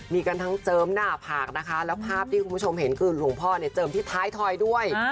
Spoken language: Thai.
มีกันทั้งเจิมหน้าผากนะคะแล้วภาพที่คุณผู้ชมเห็นคือหลวงพ่อเนี่ยเจิมที่ท้ายถอยด้วย